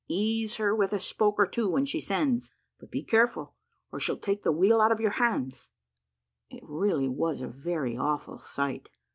Ease her with a spoke or two when she sends; but be careful, or she'll take the wheel out of your hands." It really was a very awful sight.